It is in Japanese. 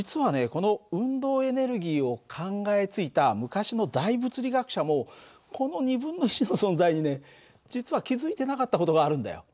この運動エネルギーを考えついた昔の大物理学者もこのの存在にね実は気付いてなかった事があるんだよ。